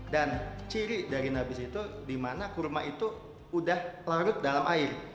dan ciri dari nabis itu dimana kurma itu sudah larut dalam air